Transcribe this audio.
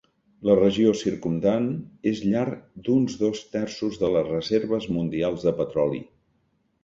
La regió circumdant és llar d'uns dos terços de les reserves mundials de petroli.